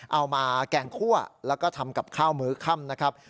เอามาแกงคั่วแล้วก็ทำกับข้าวมื้อค่ำนะครับ